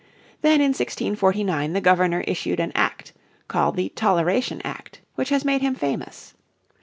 Then in 1649 the Governor issued an Act called the Toleration Act, which has made him famous.